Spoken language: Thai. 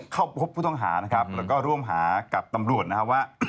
เข้าพบผู้ต้องหานะครับแล้วก็ร่วมหากับตำรวจนะครับว่า